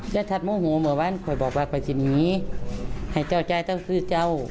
เจ้าทัดโมโหว่าเมื่อวานค่อยบอกว่าไปสินี้ให้เจ้าใจเจ้าคือเจ้า